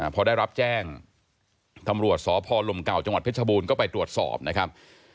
พอได้รับแจ้งตำรวจสพลมเก่าจังหวัดเพชรบูรณ์ก็ไปตรวจสอบนะครับ